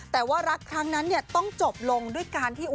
แต่ว่ารักครั้งนั้นต้องจบลงด้วยการที่